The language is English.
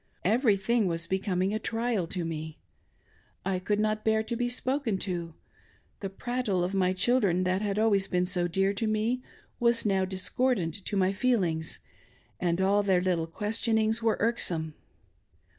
Everything was becoming a trial to me. I could not bear to be spoken to ; the prattle of my children that had always been so dear to me, was now discordant to my feelings ; and all their little questionings' were irksome.